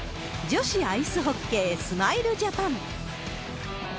女子アイスホッケー、スマイルジャパン。